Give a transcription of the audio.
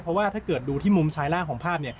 เพราะว่าถ้าเกิดดูที่มุมซ้ายล่างของภาพ